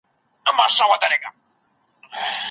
لاسي کار د انسان عزت زیاتوي.